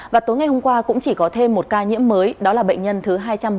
và tối ngày hôm qua cũng chỉ có thêm một ca nhiễm mới đó là bệnh nhân thứ hai trăm bốn mươi